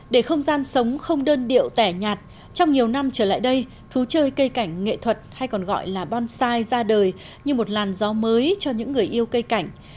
để không gian sống không đơn điệu tẻ nhạt trong nhiều năm trở lại đây thú chơi cây cảnh nghệ thuật hay còn gọi là bonsai ra đời như một làn gió mới cho những người yêu cây cảnh